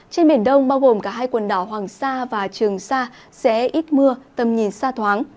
trên biển đông bao gồm cả hai quần đảo hoàng sa và trường sa sẽ ít mưa tầm nhìn xa thoáng